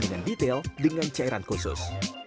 dengan detail dengan cairan khusus